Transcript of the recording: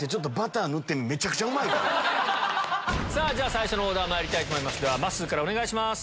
最初のオーダーまいりますまっすーからお願いします。